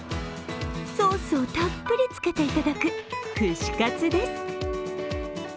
ソースをたっぷりつけていただく串カツです。